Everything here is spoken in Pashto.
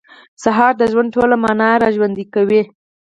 سهار د ژوند ټوله معنا راژوندۍ کوي.